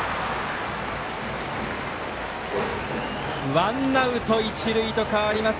ワンアウト一塁と変わります。